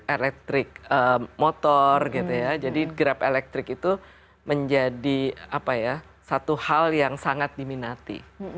elektrik motor gitu ya jadi grab elektrik itu menjadi satu hal yang sangat diminati